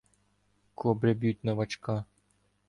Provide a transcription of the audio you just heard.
Кобри б'ють новачка.